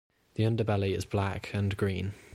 The underbelly is black and green.